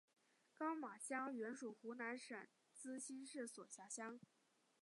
高码乡原属湖南省资兴市所辖乡。